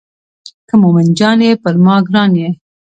که مومن جان یې پر ما ګران یې.